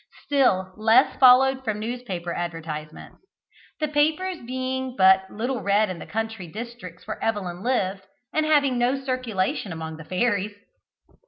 Still less followed from the newspaper advertisements; the papers being but little read in the country districts where Evelyn lived, and having no circulation among the fairies.